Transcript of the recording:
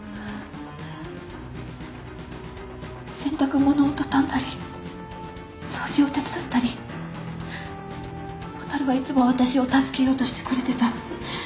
洗濯物を畳んだり掃除を手伝ったりほたるはいつも私を助けようとしてくれてた。